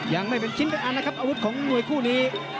ยังไม่เป็นชิ้นเป็นอันนะครับอาวุธของมวยคู่นี้